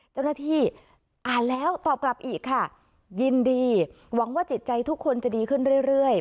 เจ้าหน้าที่อ่านแล้วตอบกลับอีกค่ะยินดีหวังว่าจิตใจทุกคนจะดีขึ้นเรื่อย